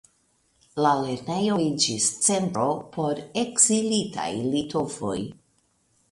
La lernejo iĝis centro por ekzilitaj litovoj.